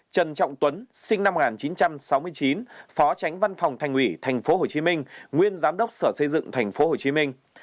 trần trọng tuấn sinh năm một nghìn chín trăm sáu mươi chín phó tránh văn phòng thành ủy tp hcm nguyên giám đốc sở xây dựng tp hcm